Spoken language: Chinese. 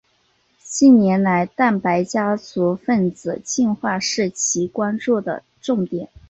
近年来蛋白家族分子进化是其关注的重点。